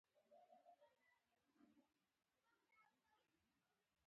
په شعر کې زموږ او د فلسطینیانو وچې ویاړنې په هر صورت.